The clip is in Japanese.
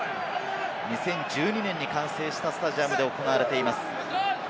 ２０１２年に完成したスタジアムで行われています。